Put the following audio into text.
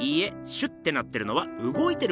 シュッてなってるのはうごいてるからなんです。